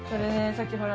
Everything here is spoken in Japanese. さっきほら